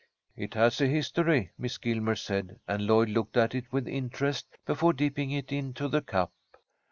"It has a history," Miss Gilmer said, and Lloyd looked at it with interest before dipping it into the cup.